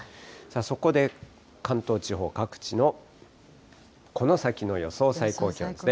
そこで関東地方、各地のこの先の予想最高気温です。